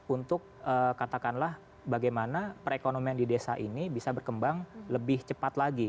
untuk katakanlah bagaimana perekonomian di desa ini bisa berkembang lebih cepat lagi